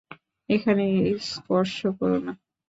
এখানে স্পর্শ কর না।